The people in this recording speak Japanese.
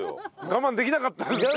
我慢できなかった今。